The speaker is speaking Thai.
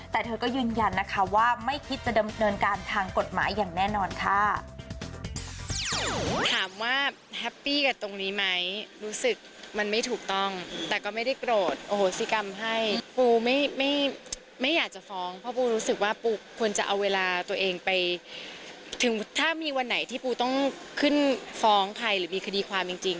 แต่เธอก็ยืนยันนะคะว่าไม่คิดจะดำเนินการทางกฎหมายอย่างแน่นอนค่ะ